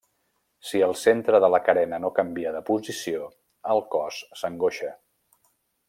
Si el centre de la carena no canvia de posició, el cos s'angoixa.